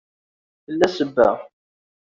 Tella sebba.